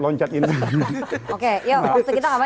oke ya waktu kita nggak banyak sih